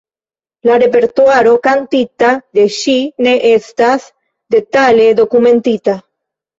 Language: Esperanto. La repertuaro kantita de ŝi ne estas detale dokumentita.